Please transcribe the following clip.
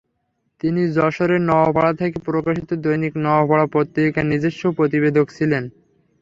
তিনি যশোরের নওয়াপাড়া থেকে প্রকাশিত দৈনিক নওয়াপাড়া পত্রিকার নিজস্ব প্রতিবেদক ছিলেন।